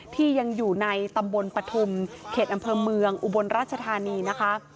ที่ยังอยู่ในตำบลปฐุมเขตอำเภอเมืองอุบลราชธานีนะคะ